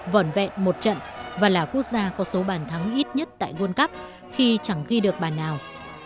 vỏn vẹn một trận và là quốc gia có số bàn thắng ít nhất tại world cup khi chẳng ghi được bàn nào